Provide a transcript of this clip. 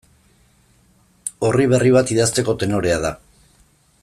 Orri berri bat idazteko tenorea da.